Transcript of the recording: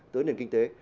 tới nền kinh tế